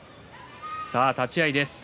さあ立ち合いです。